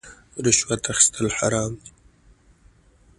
رشوت اخیستل حرام دي